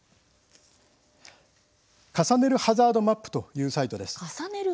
「重ねるハザードマップ」というサイトです。